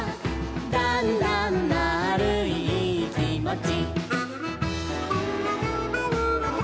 「だんだんまぁるいいいきもち」